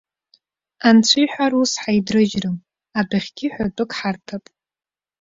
Анцәа иҳәар, ус ҳаидрыжьрым, адәахьгьы ҳәатәык ҳарҭап!